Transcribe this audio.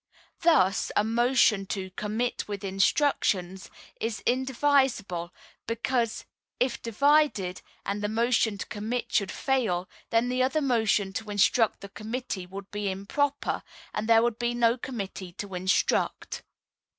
Thus, a motion to "commit with instructions," is indivisible, because if divided, and the motion to commit should fail, then the other motion to instruct the committee would be improper, as there would be no committee to instruct.